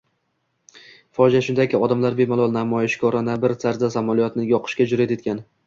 Fojea shundaki, odamlar bemalol, namoyishkorona bir tarzda samolyotni yoqishga jurʼat etgan.